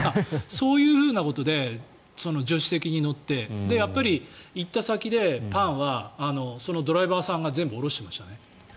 そういうふうなことで助手席に乗ってやっぱり、行った先でパンは、そのドライバーさんが全部下ろしてましたね。